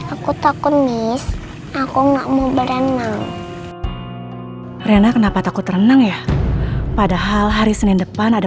aku takut nih aku nggak mau berenang renang kenapa takut renang ya padahal hari senin depan ada